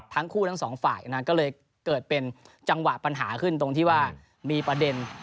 ทั้งสองฝ่ายนะก็เลยเกิดเป็นจังหวะปัญหาขึ้นตรงที่ว่ามีประเด็น